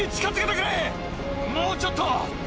もうちょっと！